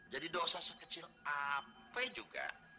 jadi dosa sekecil apa juga